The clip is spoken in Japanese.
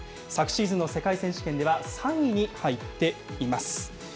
昨シーズンの世界選手権では３位に入っています。